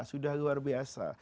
sudah luar biasa